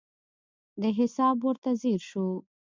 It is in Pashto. دې حساب ورته ځیر شو.